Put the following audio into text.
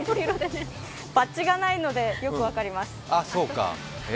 バッジがないのでよく分かります。